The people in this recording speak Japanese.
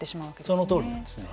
そのとおりですね。